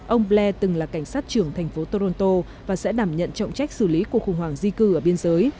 ông blair từng là cảnh sát trưởng thành phố toronto và sẽ đảm nhận trọng trách xử lý cuộc khủng hoảng di cư ở biên giới